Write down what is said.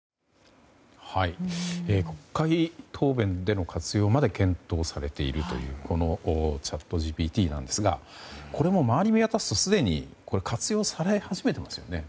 国会答弁での活用まで検討されているというこのチャットＧＰＴなんですがこれも周りを見渡すとすでに活用され始めてますよね。